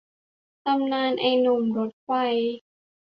ตำนานไอ้หนุ่มรถไฟ